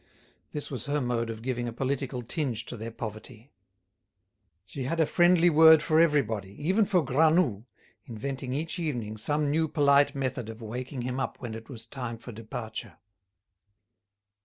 This was her mode of giving a political tinge to their poverty. She had a friendly word for everybody, even for Granoux, inventing each evening some new polite method of waking him up when it was time for departure.